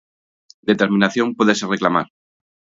Determinación pódese reclamar.